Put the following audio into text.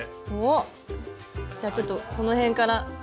おっじゃあちょっとこの辺から。